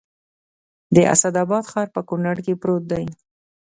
د اسداباد ښار په کونړ کې پروت دی